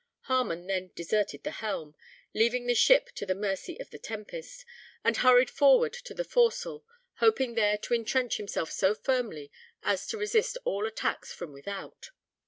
Harmon then deserted the helm, leaving the ship to the mercy of the tempest, and hurried forward to the forecastle, hoping there to intrench himself so firmly as to resist all attacks from without.